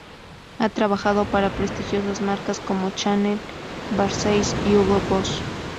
Ha trabajado para prestigiosas marcas como Chanel, Versace y Hugo Boss.